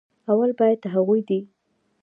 اول بايد هغوي دې